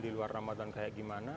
di luar ramadan kayak gimana